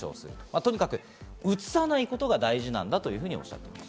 とにかく、うつさないことが大事だとおっしゃっています。